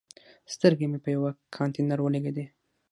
سترګې مې په یوه کانتینر ولګېدې.